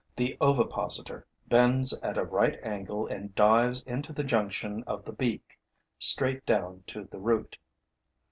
The ovipositor bends at a right angle and dives into the junction of the beak, straight down to the root.